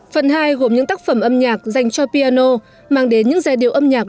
phần hai gồm những tác phẩm âm nhạc dành cho piano mang đến những giai điệu âm nhạc